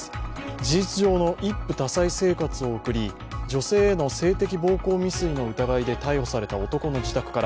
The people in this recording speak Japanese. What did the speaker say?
事実上の一夫多妻生活を送り女性への性的暴行未遂の疑いで逮捕された男の自宅から